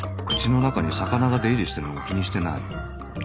口の中に魚が出入りしてるのも気にしてない。